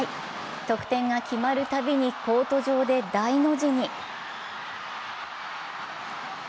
得点が決まるたびにコート上で大の字に。